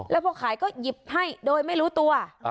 แล้วพอขายก็หยิบให้โดยไม่รู้ตัว